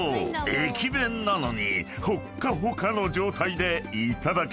駅弁なのにほっかほかの状態でいただけること］